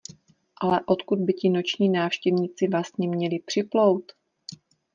Ale odkud by ti noční návštěvníci vlastně měli připlout?